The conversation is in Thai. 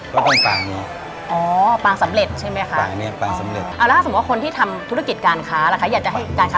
ก็ต้องปางนี้ครับอ๋อปางสำเร็จใช่ไหมคะ